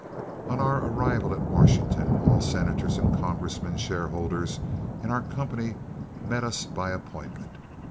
On our arrival at Washington, all senators and congressmen shareholders in our company met us by appointment.